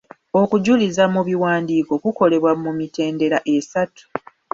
Okujuliza mu biwandiiko kukolebwa ku mitendera esatu: